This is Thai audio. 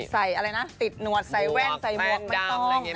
ใส่งากติดหนวดหมวกไม่ต้อง